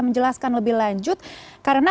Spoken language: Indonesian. menjelaskan lebih lanjut karena